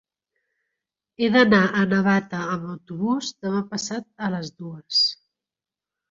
He d'anar a Navata amb autobús demà passat a les dues.